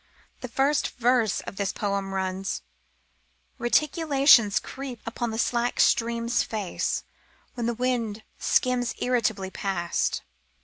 The first verse of this poem runs: Reticulations creep upon the slack stream's face When the wind skims irritably past.